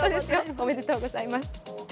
おめでとうございます。